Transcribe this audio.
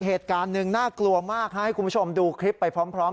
เหตุการณ์หนึ่งน่ากลัวมากให้คุณผู้ชมดูคลิปไปพร้อม